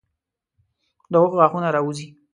د اوښ غاښونه راوځي.